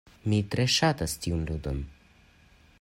Mi tre ŝatas tiun ludon.